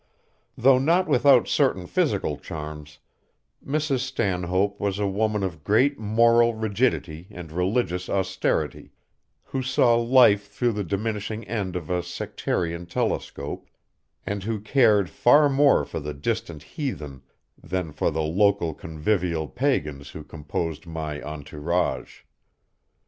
Though not without certain physical charms, Mrs. Stanhope was a woman of great moral rigidity and religious austerity, who saw life through the diminishing end of a sectarian telescope, and who cared far more for the distant heathen than for the local convivial pagans who composed my entourage.